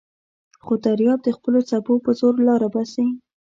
خو دریاب د خپلو څپو په زور لاره باسي.